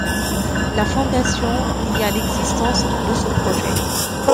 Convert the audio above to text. La Fondation nia l'existence de ce projet.